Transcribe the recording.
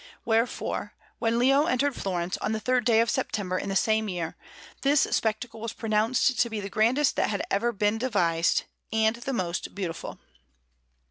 Wherefore, when Leo entered Florence, on the third day of September in the same year, this spectacle was pronounced to be the grandest that had ever been devised, and the most beautiful.